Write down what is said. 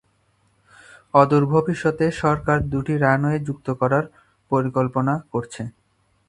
অদূর ভবিষ্যতে সরকার দুটি রানওয়ে যুক্ত করার পরিকল্পনা করেছে।